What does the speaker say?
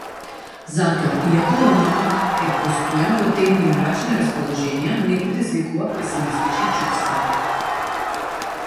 Затоа, иако романот е постојано во темни, мрачни расположенија, не предизвикува песимистички чувства.